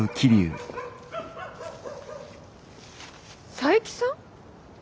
佐伯さん？